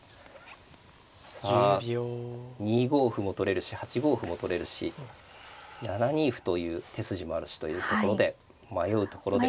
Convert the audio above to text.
さあ２五歩も取れるし８五歩も取れるし７二歩という手筋もあるしというところで迷うところです。